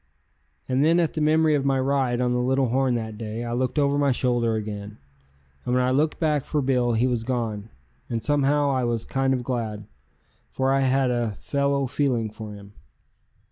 And then at the memory of my ride on the Little Horn that day I looked over my shoulder again, and when I looked back for Bill he was gone, and somehow I was kind of glad, for I had a fellow feeling for him.